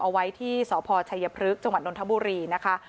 เอาไว้ที่สพชายพฤษจดนทบุรีนะคะ